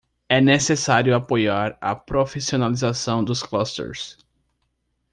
É necessário apoiar a profissionalização dos clusters.